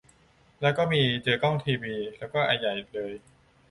แล้วก็มีเจอกล้องทีวี แล้วก็ไอใหญ่เลย